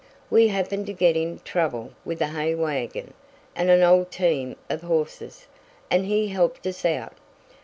"We happened to get in trouble with a hay wagon, and an old team of horses, and he helped us out.